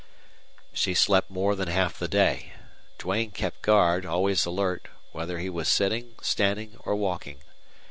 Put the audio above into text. She slept more than half the day. Duane kept guard, always alert, whether he was sitting, standing, or walking.